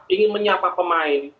ingin menyapa pemain